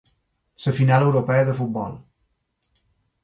La final europea de futbol.